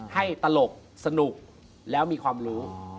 ตลกสนุกแล้วมีความรู้